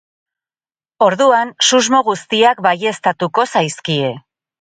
Orduan susmo guztiak baieztatuko zaizkie.